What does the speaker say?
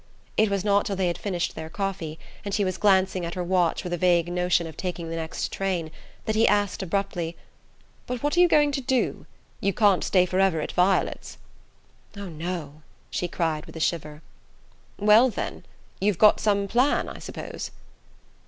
It was not till they had finished their coffee, and she was glancing at her watch with a vague notion of taking the next train, that he asked abruptly: "But what are you going to do? You can't stay forever at Violet's." "Oh, no!" she cried with a shiver. "Well, then you've got some plan, I suppose?"